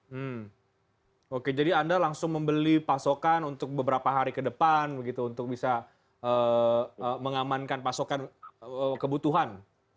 hmm oke jadi anda langsung membeli pasokan untuk beberapa hari ke depan begitu untuk bisa mengamankan pasokan kebutuhan